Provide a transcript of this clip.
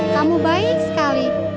kamu baik sekali